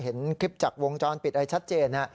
เห็นคลิปจากวงจรปิดอะไรชัดเจน